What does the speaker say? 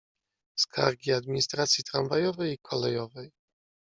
"Skargi administracji tramwajowej i kolejowej."